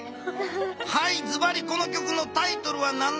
はいずばりこの曲のタイトルはなんでしょう？